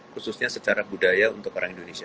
khususnya secara budaya untuk orang indonesia